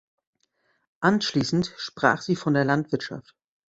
Anschließend sprach sie von der Landwirtschaft.